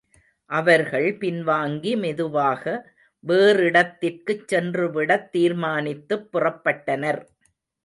அவர்கள் பின்வாங்கி மெதுவாக வேறிடத்திற்குச் சென்றுவிடத் தீர்மானித்துப் புறப்பட்டனர்.